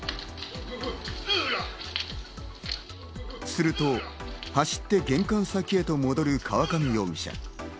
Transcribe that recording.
すると走って玄関先へと戻る河上容疑者。